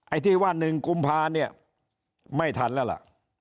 ไอ้ที่ว่า๑กุมภาเนี่ยไม่ทันแล้วล่ะ